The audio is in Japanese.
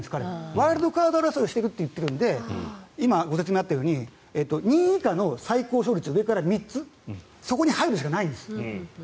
ワイルドカード争いをしていくと言っているので今、ご説明があったように２位以下の最高勝率の上から３つそこに入るしかないんです。